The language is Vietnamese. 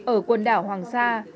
ở quần đảo hoàng sa